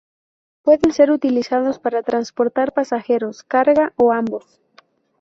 Pueden ser utilizados para transportar pasajeros, carga o ambos.